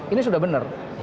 ini sudah benar